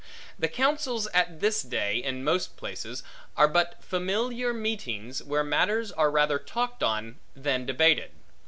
The counsels at this day, in most places, are but familiar meetings, where matters are rather talked on, than debated.